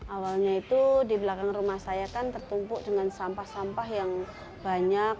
awalnya itu di belakang rumah saya kan tertumpuk dengan sampah sampah yang banyak